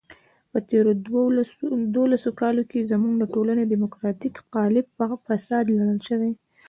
په تېرو دولسو کالو کې زموږ د ټولنې دیموکراتیک قالب په فساد لړل شوی.